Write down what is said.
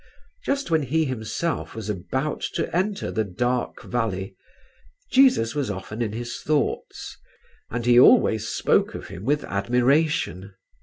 Just when he himself was about to enter the Dark Valley, Jesus was often in his thoughts and he always spoke of Him with admiration.